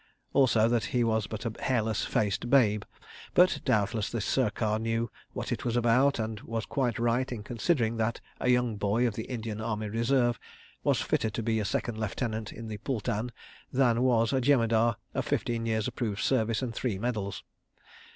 Also that he was but a hairless faced babe—but doubtless the Sircar knew what it was about, and was quite right in considering that a young boy of the Indian Army Reserve was fitter to be a Second Lieutenant in the pultan, than was a Jemadar of fifteen years' approved service and three medals.